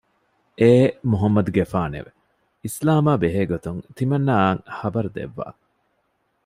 އޭ މުޙައްމަދުގެފާނެވެ! އިސްލާމާ ބެހޭ ގޮތުން ތިމަންނާއަށް ޚަބަރު ދެއްވާ